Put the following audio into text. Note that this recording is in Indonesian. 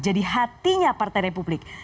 jadi hatinya partai republik